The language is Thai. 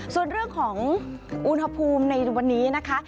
ส่วนเรื่องของอุณหภูมิในวันนี้นะคะ